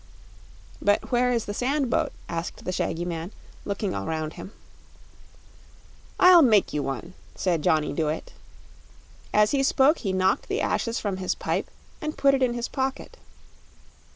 "But where is the sand boat?" asked the shaggy man, looking all around him. "I'll make you one," said Johnny Dooit. As he spoke, he knocked the ashes from his pipe and put it in his pocket.